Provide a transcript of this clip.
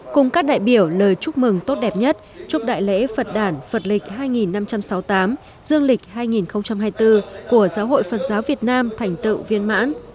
cùng các đại biểu lời chúc mừng tốt đẹp nhất chúc đại lễ phật đàn phật lịch hai năm trăm sáu mươi tám dương lịch hai nghìn hai mươi bốn của giáo hội phật giáo việt nam thành tựu viên mãn